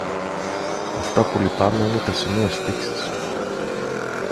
Αυτά που λυπάμαι είναι τα σημεία στίξης